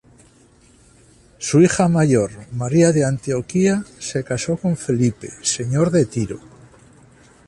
Su hija mayor, María de Antioquía se casó con Felipe, señor de Tiro.